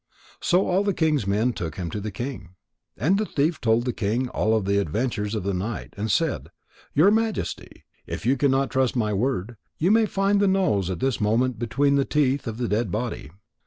So all the king's men took him to the king. And the thief told the king all the adventures of the night, and said: "Your Majesty, if you cannot trust my word, you may find the nose at this moment between the teeth of the dead body."